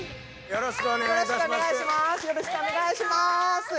よろしくお願いします。